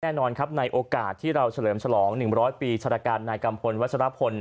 แน่นอนในโอกาสที่เราเฉลิมฉลอง๑๐๐ปีฉลาการนายกำพลวัชฎาพล